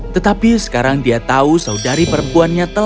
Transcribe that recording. tetapi sekarang dia tahu saudari perempuannya telah